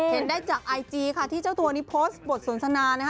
เห็นได้จากไอจีค่ะที่เจ้าตัวนี้โพสต์บทสนทนานะคะ